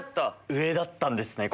上だったんですね